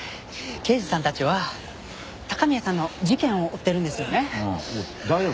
刑事さんたちは高宮さんの事件を追ってるんですよね？